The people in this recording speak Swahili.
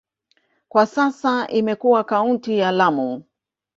Kwa sasa imekuwa kaunti ya Lamu.